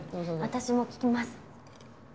私も聴きます。